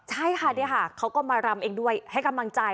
ใช่ค่ะเนี่ยค่ะเขาก็มารำเองด้วยให้กำลังใจ